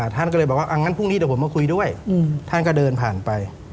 ท่านก็เลยบอกว่างั้นพรุ่งนี้เดี๋ยวผมมาคุยด้วยท่านก็เดินผ่านไป